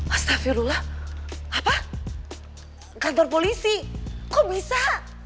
astagfirullah apa kantor polisi kok bisa